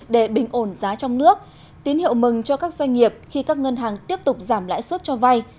để bình ổn giá trong nước tín hiệu mừng cho các doanh nghiệp khi các ngân hàng tiếp tục giảm lãi suất cho vay